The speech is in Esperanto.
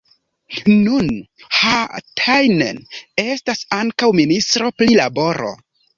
Nun Haatainen estas ankaŭ ministro pri laboro.